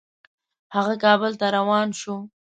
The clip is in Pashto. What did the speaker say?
هغه کابل ته روان شو.